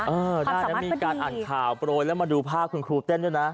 เออได้นะมีการอ่านข่าวโปรยแล้วมาดูภาพคุณครูเต้นด้วยนะ